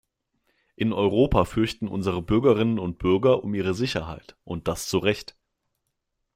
In Europa fürchten unsere Bürgerinnen und Bürger um ihre Sicherheit, und das zu Recht.